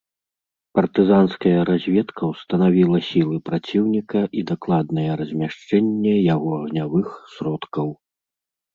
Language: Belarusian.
Партызанская разведка ўстанавіла сілы праціўніка і дакладнае размяшчэнне яго агнявых сродкаў.